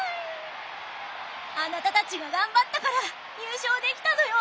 あなたたちが頑張ったから入賞できたのよ。